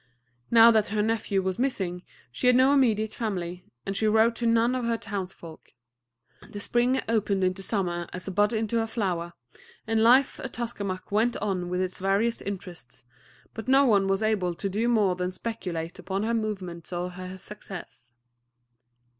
Now that her nephew was missing, she had no immediate family; and she wrote to none of her townsfolk. The spring opened into summer as a bud into a flower, and life at Tuskamuck went on with its various interests, but no one was able to do more than to speculate upon her movements or her success.